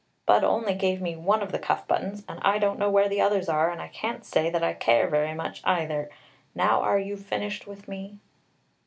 Budd only gave me one of the cuff buttons, and I don't know where the others are, and I can't say that I care very much, either. Now are you finished with me?"